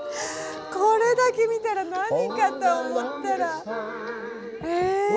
これだけ見たら何かと思ったら。